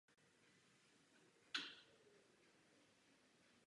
Ty však nastávají v konkrétních geografických podmínkách.